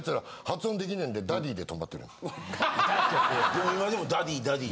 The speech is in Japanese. でも今でもダディダディ。